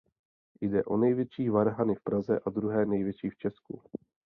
Jde o největší varhany v Praze a druhé největší v Česku.